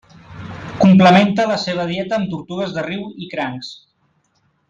Complementa la seva dieta amb tortugues de riu i crancs.